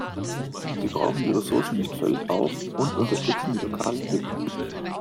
Sie brauchen die Ressourcen nicht völlig auf und unterstützen die lokale Entwicklung.